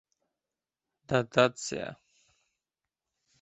— Dotatsiya.